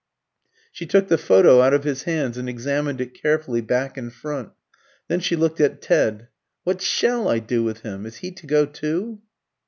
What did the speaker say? She took the photo out of his hands and examined it carefully back and front. Then she looked at Ted. "What shall I do with him? Is he to go too?"